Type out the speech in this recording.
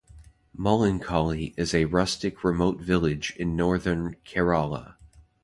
Mullankolli is a rustic remote village in northern Kerala.